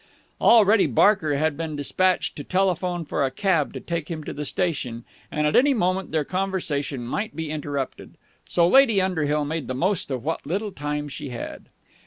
Already Barker had been dispatched to telephone for a cab to take him to the station, and at any moment their conversation might be interrupted. So Lady Underhill made the most of what little time she had.